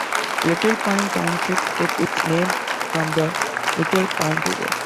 Little Pine Township took its name from the Little Pine River.